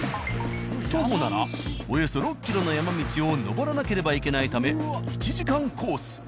徒歩ならおよそ６キロの山道を登らなければいけないため１時間コース。